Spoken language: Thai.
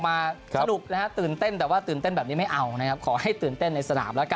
ยังเดินทางไปต่างประเทศ